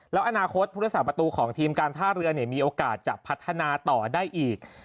แล้วอนาคตผู้รักษาประตูของทีมการท่าเรือเนี่ยมีโอกาสจะพัฒนาต่อได้อีก